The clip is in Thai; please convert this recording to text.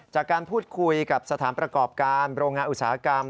จากการพูดคุยกับสถานประกอบการโรงงานอุตสาหกรรม